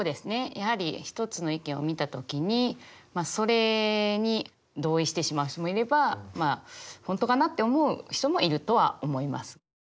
やはり一つの意見を見た時にまあそれに同意してしまう人もいればまあ本当かなって思う人もいるとは思います。